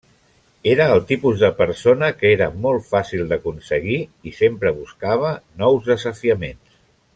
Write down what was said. Era el tipus de persona que era molt fàcil d'aconseguir i sempre buscava nous desafiaments.